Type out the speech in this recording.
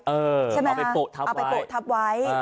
เออเอาไปโปะทับไว้